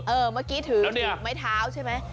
เมื่อกี้ถือไม้เท้าใช่ไหม